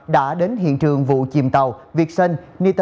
đã đến hiện trường vụ chìm tàu việt sân